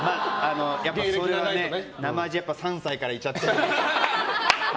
やっぱりそれはなまじ３歳からいちゃってるんで。